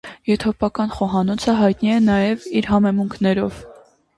Եթովպական խոհանոցը հայտնի է նաև իր համեմունքներով։